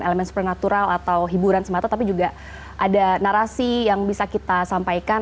elemen suprenatural atau hiburan semata tapi juga ada narasi yang bisa kita sampaikan